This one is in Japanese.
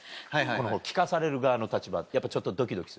この聞かされる側の立場やっぱちょっとドキドキする？